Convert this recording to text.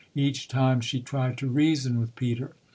Each time she tried to reason with Peter.